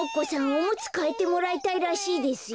おむつかえてもらいたいらしいですよ。